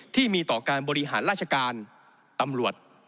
ที่มีต่อการบริหารราชการตำรวจ